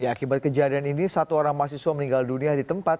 akibat kejadian ini satu orang mahasiswa meninggal dunia di tempat